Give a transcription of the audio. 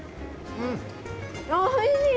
うん、おいしい！